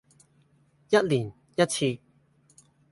一年一次